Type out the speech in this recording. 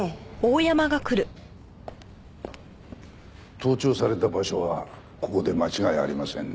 盗聴された場所はここで間違いありませんね。